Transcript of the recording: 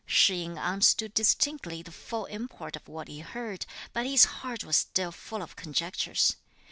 Shih yin understood distinctly the full import of what he heard; but his heart was still full of conjectures.